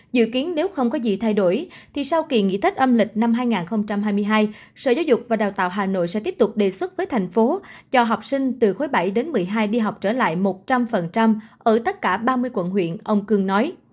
dự kiến nếu không có gì thay đổi thì sau kỳ nghỉ tết âm lịch năm hai nghìn hai mươi hai sở giáo dục và đào tạo hà nội sẽ tiếp tục đề xuất với thành phố cho học sinh từ khối bảy đến một mươi hai đi học trở lại một trăm linh ở tất cả ba mươi quận huyện ông cương nói